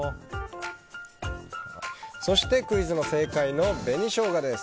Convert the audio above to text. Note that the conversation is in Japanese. そしてクイズの正解の紅ショウガです。